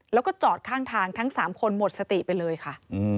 แล้วก็จอดข้างทางทั้ง๓คนหมดสติไปเลยค่ะ